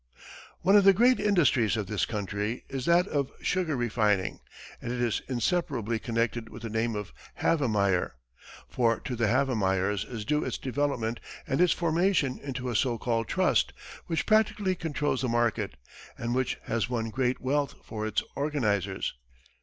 One of the great industries of the country is that of sugar refining, and it is inseparably connected with the name of Havemeyer, for to the Havemeyers is due its development and its formation into a so called trust, which practically controls the market, and which has won great wealth for its organizers.